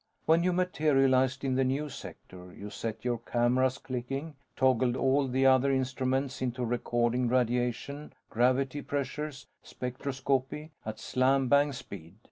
When you materialized in the new sector, you set your cameras clicking, toggled all the other instruments into recording radiation, gravity pressures, spectroscopy, at slam bang speed.